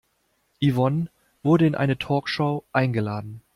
Yvonne wurde in eine Talkshow eingeladen.